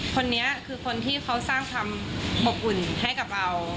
คนนี้คือคนที่เขาสร้างความอบอุ่นให้กับเรา